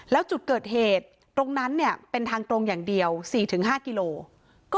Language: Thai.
แล้วจุดเกิดเหตุตรงนั้นเนี่ยเป็นทางตรงอย่างเดียว๔๕กิโล